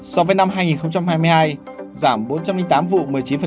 so với năm hai nghìn hai mươi hai giảm bốn trăm linh tám vụ một mươi chín